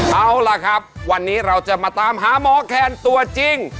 เอาล่ะครับวันนี้เราจะมาตามหาหมอแคนตัวจริง